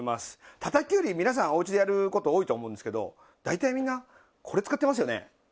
叩ききゅうり皆さんおうちでやる事多いと思うんですけど大体みんなこれ使ってますよね。